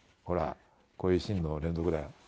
こういうシーンの連続だよ。